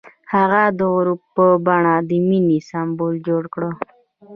هغه د غروب په بڼه د مینې سمبول جوړ کړ.